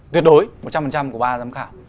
tuyệt đối một trăm linh của ba giám khảo